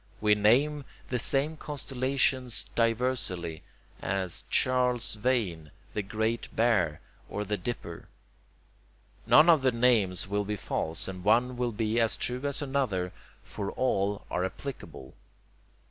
We name the same constellation diversely, as Charles's Wain, the Great Bear, or the Dipper. None of the names will be false, and one will be as true as another, for all are applicable.